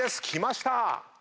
きました！